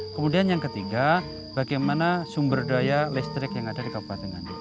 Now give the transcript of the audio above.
kemudian yang ketiga bagaimana sumber daya listrik yang ada di kabupaten nganjuk